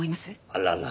あらら。